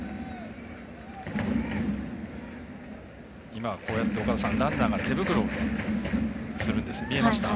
今はこうやって岡田さんランナーが手袋をするんです、見えました？